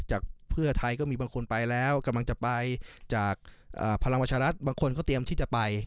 จากเพื่อไทยก็มีบางคนไปแล้วกำลังจะไปจากพลังประชารัฐบางคนเขาเตรียมที่จะไป